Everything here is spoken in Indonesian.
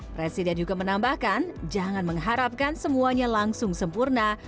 presiden juga menambahkan jangan mengharapkan semuanya langsung sempurna